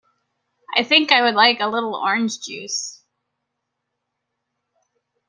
I think I would like a little orange juice.